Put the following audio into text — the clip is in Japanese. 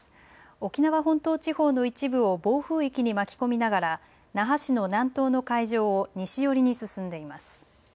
沖縄本島地方の一部を暴風域に巻き込みながら那覇市の南東の海上を西寄りに進んでいます。